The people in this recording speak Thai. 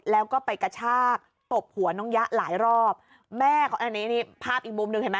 แล้วก็ไปกระชากตบหัวน้องยะหลายรอบแม่ของอันนี้นี่ภาพอีกมุมหนึ่งเห็นไหม